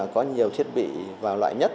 có nhiều thiết bị và loại nhất